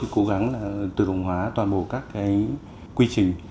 cố gắng là tự động hóa toàn bộ các quy trình